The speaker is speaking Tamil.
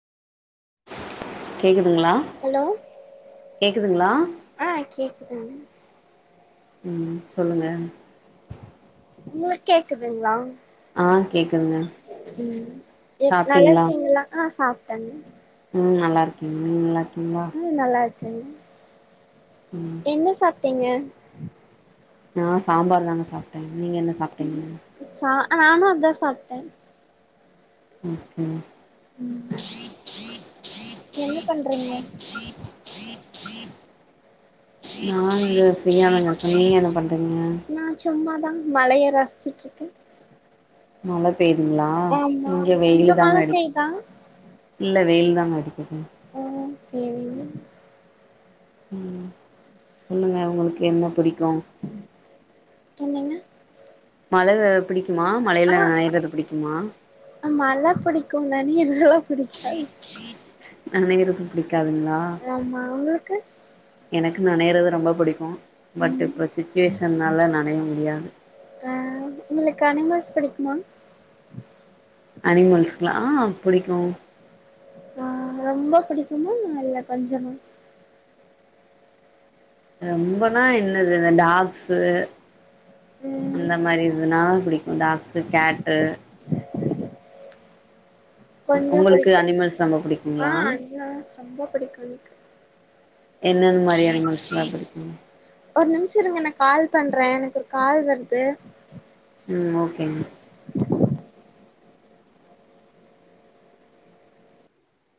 கேக்குதுங்ளா ஹலோ ஆ கேக்குது ம் சொல்லுங்க உங்ளுக்கு கேக்குதுங்ளா ஆ கேக்குதுங்க ம் எ நல்லா சாப்ட்டீங்களா இருக்கீங்ளா ஆ சாப்டங் ம் நல்லா இருக்கே நீங் நல்லா இருக்கீங்ளா ம் நல்லா இருக்கங்க ம் என்ன சாப்ட்டீங்க நா சாம்பார் தாங்க சாப்ட்ட நீங்க என்ன சாப்பிட்டீங்க சா நானு அதா சாப்ட்ட ம்ம் ம் என்ன பண்றீங்க நா இங்க ஃப்ரீயா தாங்கருப்ப நீங்க என்ன பண்றீங்க நா சும்மாதா மழய ரசிச்சிட்டு இருக்கே மழ பெய்துங்ளா ஆமா இங்க வெயிலு அங்க மழ தாங்க அடிக் பெய்தா இல்ல வெயில் தாங்க அடிக்குது ம் செரி ம் சொல்லுங்க உங்ளுக்கு என்ன பிடிக்கும் என்னங்க மழல பிடிக்குமா மழைல ஆ நினைறது பிடிக்குமா மழ பிடிக்கும் நனையலா பிடிக்காது அனைவருக்கு பிடிக்காதுங்ளா ஆமா உங்ளுக்கு எனக்கு நினைறது ரொம்ப புடிக்கும் பட் ம் இப்ப சிட்டிவேஷன்னால நினைய முடியாது அ உங்ளுக்கு அனிமல்ஸ் புடிக்குமா அனிமல்ஸ்கலாம் ஆ புடிக்கும் ஆ ரொம்ப பிடிக்குமா இல்ல கொஞ்சமா ரொம்பனா என்னது ரெண்டு ஆப்ஸூ ம் அந்த மாரி இதுனாதா புடிக்கு டாக்ஸூ கட்டு கொஞ்சோ உங்களுக்கு புடிக்கு அனிமல்ஸ் ரொம்ப ஆ புடிக்குங்ளா அனிமல்ஸ் ரொம்ப புடிக்கு எனக்கு என்னனந் மாரி அனிமெல்ஸ்லா புடிக்கு ஒரு நிம்ஷோ இருங்க நா கால் பண்றே எனக்கு ஒரு கால் வருது ம் ஓகேங்க